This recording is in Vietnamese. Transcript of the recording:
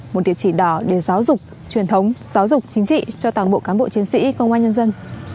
một địa chỉ đỏ để giáo dục truyền thống giáo dục chính trị cho toàn bộ cán bộ chiến sĩ công an nhân dân